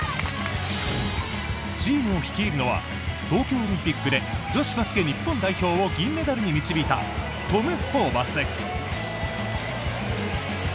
チームを率いるのは東京オリンピックで女子バスケ日本代表を銀メダルに導いたトム・ホーバス。